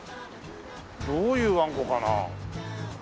どういうわんこかな？